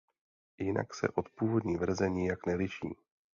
Jinak se od původní verze nijak neliší.